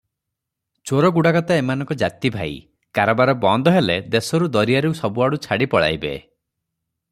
ଚୋରଗୁଡ଼ାକ ତ ଏମାନଙ୍କ ଜାତି ଭାଇ, କାରବାର ବନ୍ଦ ହେଲେ ଦେଶରୁ ଦରିଆରୁ ସବୁଆଡୁ ଛାଡ଼ି ପଳାଇବେ ।